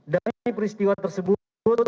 dari peristiwa tersebut